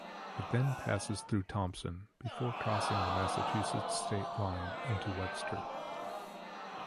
It then passes through Thompson before crossing the Massachusetts state line into Webster.